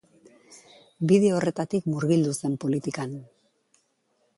Bide horretatik murgildu zen politikan.